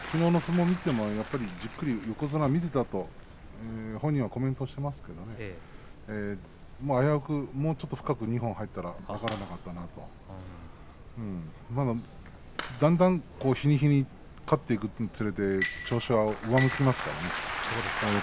きのうの相撲を見ていてもじっくり横綱、見ていたと本人がコメントしていますけど危うく、もうちょっと２本深く入ったら分からなかったのとだんだん日に日に変わっていくにつれて調子は上向いていますからね。